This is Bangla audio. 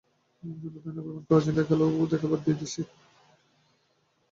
শুধু তা-ই নয়, অভিমান করে আর্জেন্টিনার খেলাও দেখা নাকি বাদ দিয়েছেন।